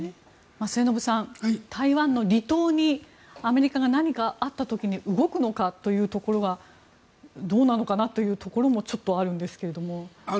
末延さん、台湾の離島にアメリカが何かあった時に動くのかというところがどうなのかなというところもちょっとあるんですが。